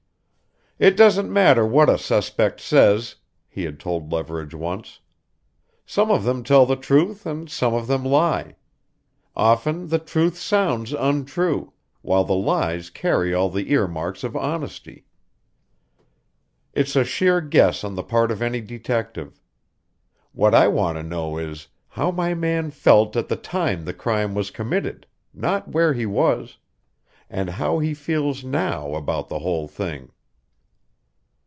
"It doesn't matter what a suspect says," he had told Leverage once. "Some of them tell the truth and some of them lie. Often the truth sounds untrue, while the lies carry all the earmarks of honesty. It's a sheer guess on the part of any detective. What I want to know is how my man felt at the time the crime was committed not where he was; and how he feels now about the whole thing."